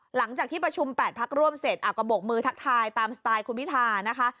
หลังจากที่ประชุม๘พักร่วมเสร็จก็บกมือทักทายตามสไตล์คุณพิธานะคะ